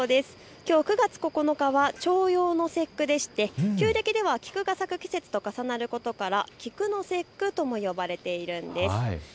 きょう９月９日は重陽の節句でして旧暦では菊が咲く季節と重なることから菊の節句と呼ばれています。